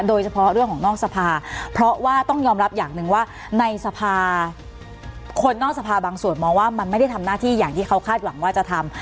โดยเฉพาะเรื่องของนอกสภาเพราะว่าต้องยอมรับอย่างหนึ่งว่าในสภาคนนอกสภาบางส่วนมองว่ามันไม่ได้ทำหน้าที่อย่างที่เขาคาดหวังว่าจะทำ